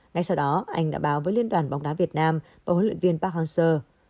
ngay sau đó anh đã báo với liên đoàn bóng đá việt nam và huấn luyện viên park hang seo